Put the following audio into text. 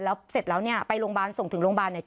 แล้วเสร็จแล้วเนี่ยไปโรงพยาบาลส่งถึงโรงพยาบาลเนี่ย